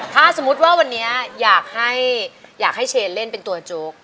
ถ้าสมมุติว่าวันนี้อยากให้เชนเล่นเป็นตัวโจ๊ก